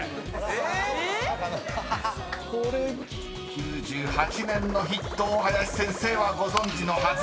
［９８年のヒットを林先生はご存じのはず］